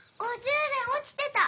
５０円落ちてた！